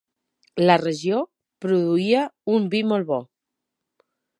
La regió produïa un vi molt bo.